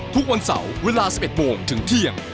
ทุกวันเสาร์เวลา๑๑โมงถึงเที่ยง